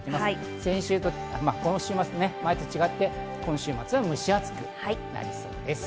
先週の週末と違って今週末は蒸し暑くなりそうです。